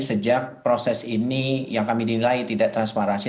sejak proses ini yang kami nilai tidak transparansi